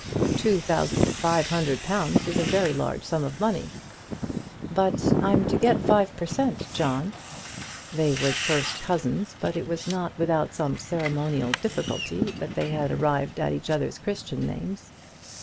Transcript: "Two thousand five hundred pounds is a very large sum of money." "But I'm to get five per cent, John." They were first cousins, but it was not without some ceremonial difficulty that they had arrived at each other's Christian names.